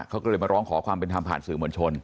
เขาก็เลยมาร้องขอความเป็นธรรมผ่านสื่อมวลชน